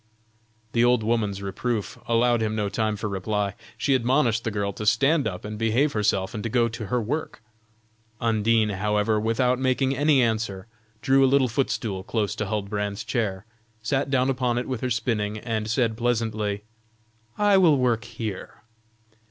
The old woman's reproof allowed him no time for reply. She admonished the girl to stand up and behave herself and to go to her work. Undine, however, without making any answer drew a little footstool close to Huldbrand's chair, sat down upon it with her spinning, and said pleasantly: "I will work here."